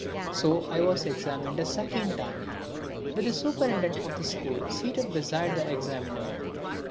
So I was examined a second time, with the superintendent of the school seated beside the examiner.